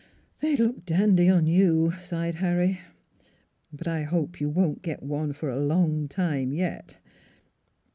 " They'd look dandy on you," sighed Harry. " But I hope you won't get one for a long time yet.